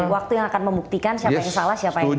waktu yang akan membuktikan siapa yang salah siapa yang benar